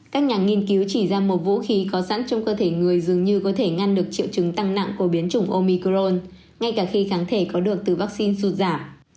các nhà nghiên cứu chỉ ra một vũ khí có sẵn trong cơ thể người dường như có thể ngăn được triệu chứng tăng nặng của biến chủng omicron ngay cả khi kháng thể có được từ vaccine sụt giảm